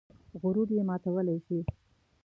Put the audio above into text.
غرور یې ماتولی شي.